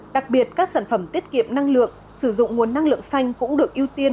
đặc biệt các sản phẩm tiết kiệm năng lượng sử dụng nguồn năng lượng xanh cũng được ưu tiên